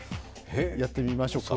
やってみましょうか。